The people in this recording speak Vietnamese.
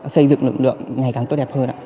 xây dựng lực lượng ngày càng tốt đẹp hơn